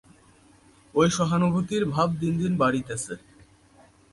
ঐ সহানুভূতির ভাব দিন দিন বাড়িতেছে।